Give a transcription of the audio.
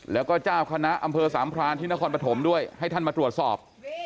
แล้วก็เจ้าคณะอำเภอสามพรานที่นครปฐมด้วยให้ท่านมาตรวจสอบ